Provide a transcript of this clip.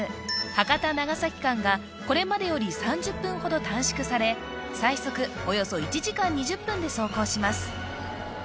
博多−長崎間がこれまでより３０分ほど短縮され最速およそ１時間２０分で走行します